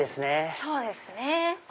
そうですね。